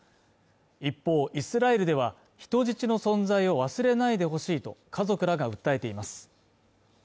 一方イスラエルでは人質の存在を忘れないでほしいと家族らが訴えています